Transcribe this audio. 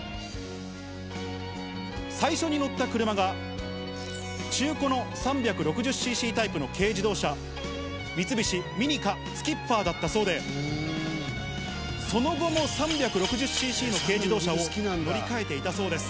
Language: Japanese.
最初に乗った車が、中古の３６０ｃｃタイプの軽自動車、三菱、ミニカスキッパーだったそうで、その後も３６０ｃｃの軽自動車を乗り換えていたそうです。